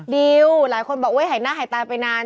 ดิวหลายคนบอกหายหน้าหายตาไปนาน